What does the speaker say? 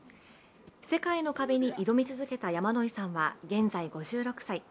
世界の壁に挑み続けてきた山野井さんは現在５６歳。